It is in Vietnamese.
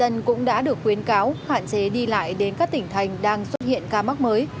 người dân cũng đã được khuyến cáo hạn chế đi lại đến các tỉnh thành đang xuất hiện ca mắc mới